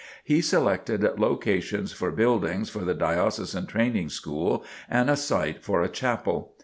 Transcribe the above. He selected locations for buildings for the Diocesan Training School and a site for a chapel.